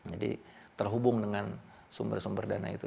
jadi terhubung dengan sumber sumber dana itu